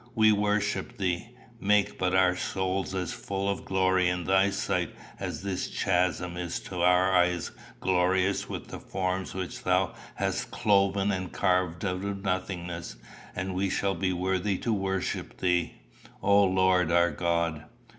We worship thee. Make but our souls as full of glory in thy sight as this chasm is to our eyes glorious with the forms which thou hast cloven and carved out of nothingness, and we shall be worthy to worship thee, O Lord, our God."